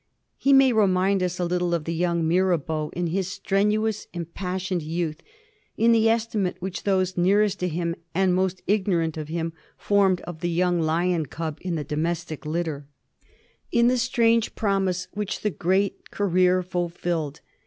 He may remind us a little of the young Mirabeau in his strenuous impassioned youth; in the estimate which those nearest to him, and most ignorant of him, formed of the young lion cub in the domestic litter; in the strange promise which the great career fulfilled.